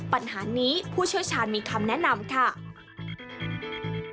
ปัญหานี้ผู้เชี่ยวชาญมีคำแนะนำค่ะ